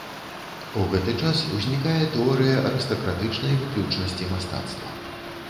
У гэты час узнікае тэорыя арыстакратычнай выключнасці мастацтва.